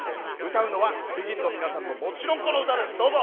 歌うのはＢＥＧＩＮの皆さんのこの歌です。